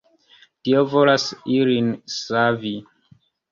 Dio volas ilin savi.